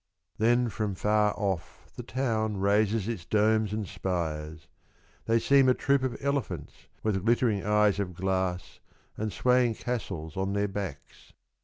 Then from far off the town Raises its domes and spires — they seem A troop of elephants with glittering eyes of glass And swaying castles on their backs : 43 Soliloquy and Speech.